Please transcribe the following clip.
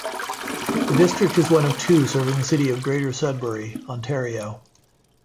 The district is one of two serving the city of Greater Sudbury, Ontario.